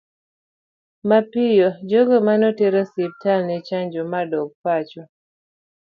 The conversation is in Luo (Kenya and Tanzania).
Mapiyo, jogo ma ne oter e osiptal ne chango ma dok pacho.